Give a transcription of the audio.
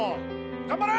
頑張れ！